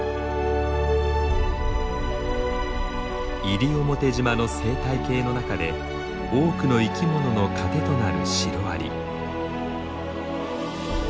西表島の生態系の中で多くの生き物の糧となるシロアリ。